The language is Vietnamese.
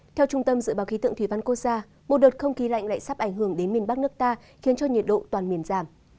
theo trung tâm dự báo khí tượng thủy văn quốc gia một đợt không khí lạnh lại sắp ảnh hưởng đến miền bắc nước ta khiến cho nhiệt độ toàn miền giảm